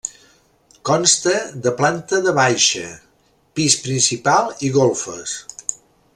Consta de planta de baixa, pis principal i golfes.